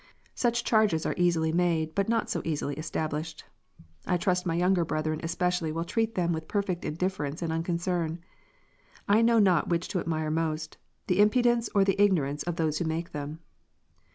Such charges are easily made, but not so easily established. I trust my younger brethren especially will treat them with perfect indifference and unconcern. I know not which to admire most, the impudence or the ignorance of those who make them.